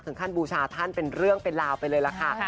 ท่านบูชาท่านเป็นเรื่องเป็นราวไปเลยล่ะค่ะ